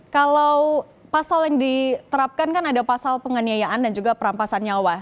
kalau pasal yang diterapkan kan ada pasal penganiayaan dan juga perampasan nyawa